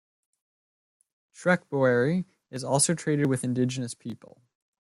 Trekboere also traded with indigenous people.